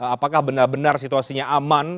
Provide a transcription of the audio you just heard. apakah benar benar situasinya aman